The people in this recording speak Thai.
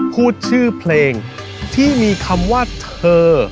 พูดชื่อเพลงที่มีคำว่าเธอ